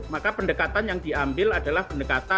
maka pendekatan yang diambil adalah pendekatan versi khas